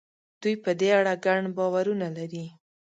دوی په دې اړه ګڼ باورونه لري.